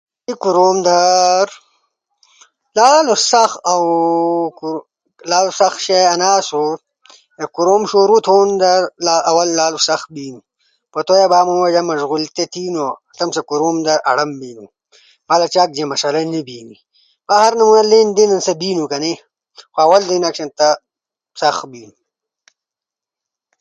ہر کوروم در لالو سخت شیئی انا اسُو کے کوروم شروع تھونو در لالو سخت بینو۔ سئی ادامو وجہ سا مشغول تھینو تمو کوروم در آڑم بینو۔ با جے چاک مشورا نی بینی۔ سا لین دین بینو کنأ آول دی ایناک شانتا سخت بینو۔ با آسان بینو۔